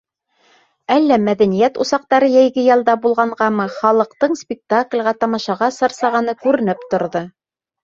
Әллә мәҙәниәт усаҡтары йәйге ялда булғанғамы, халыҡтың спектаклгә, тамашаға сарсағаны күренеп торҙо.